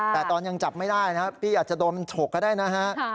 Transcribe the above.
แต่ตอนยังจับไม่ได้นะพี่อาจจะโดนฉกก็ได้นะฮะ